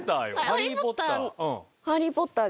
『ハリー・ポッター』よ